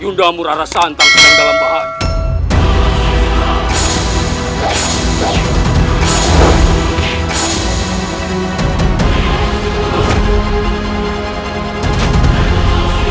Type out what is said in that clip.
yunda murara santal sedang dalam bahagia